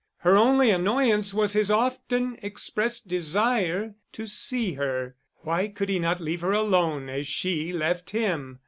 Her only annoyance was his often expressed desire to see her. Why could he not leave her alone, as she left him?